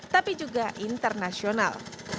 tapi juga internasional